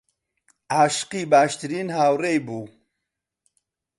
عاشقی باشترین هاوڕێی بوو.